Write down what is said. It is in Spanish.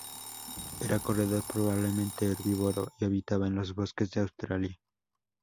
Era corredor, probablemente herbívoro y habitaba en los bosques de Australia.